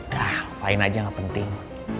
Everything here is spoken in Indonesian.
dah main aja gak penting